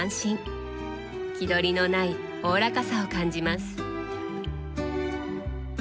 気取りのないおおらかさを感じます。